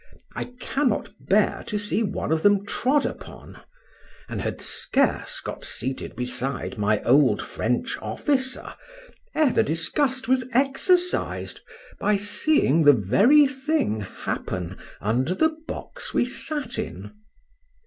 —I cannot bear to see one of them trod upon; and had scarce got seated beside my old French officer, ere the disgust was exercised, by seeing the very thing happen under the box we sat in.